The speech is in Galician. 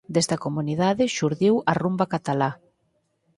Desta comunidade xurdiu a rumba catalá.